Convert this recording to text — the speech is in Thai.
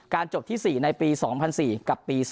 การจบที่๔ในปี๒๐๐๔กับปี๒๐๑๖